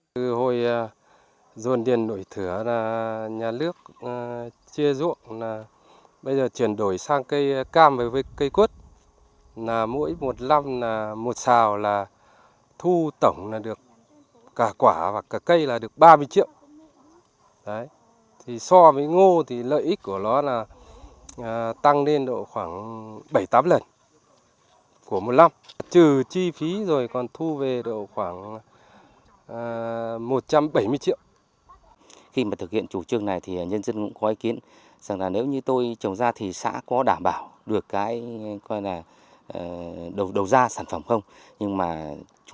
từ hồi dồn điền nổi thửa là nhà nước chia dụng là bây giờ chuyển đổi sang cây cam với cây quất